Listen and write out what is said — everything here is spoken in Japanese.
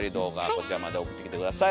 こちらまで送ってきて下さい。